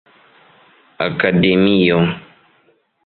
akademio